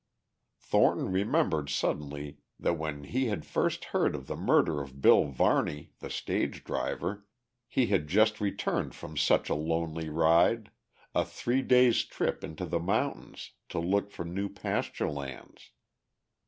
Thornton remembered suddenly that when he had first heard of the murder of Bill Varney, the stage driver, he had just returned from such a lonely ride, a three days' trip into the mountains to look for new pasture lands.